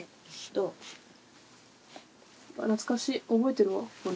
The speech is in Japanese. わあ懐かしい覚えてるわこれ。